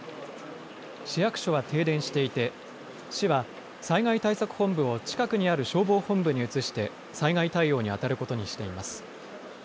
市役所は停電していて市は災害対策本部を近くにある消防本部に移して災害対応にあたることにしています。